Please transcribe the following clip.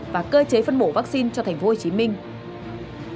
và cơ chế phân bổ vaccine cho thành phố hồ chí minh